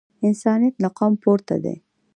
انسانیت له قوم پورته دی.